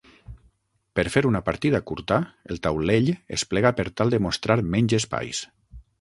Per fer una partida curta el taulell es plega per tal de mostrar menys espais.